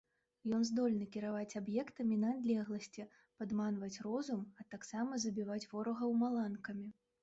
Ён здольны кіраваць аб'ектамі на адлегласці, падманваць розум, а таксама забіваць ворагаў маланкамі.